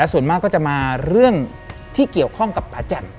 ส่วนมากก็จะมาเรื่องที่เกี่ยวข้องกับป่าแจ่ม